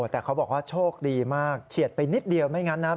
แต่เขาบอกว่าโชคดีมากเฉียดไปนิดเดียวไม่งั้นนะ